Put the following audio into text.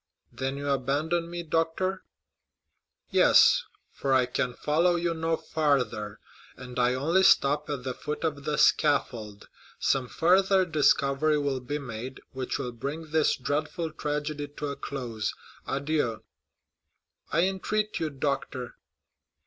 "Then you abandon me, doctor?" "Yes, for I can follow you no farther, and I only stop at the foot of the scaffold. Some further discovery will be made, which will bring this dreadful tragedy to a close. Adieu." "I entreat you, doctor!"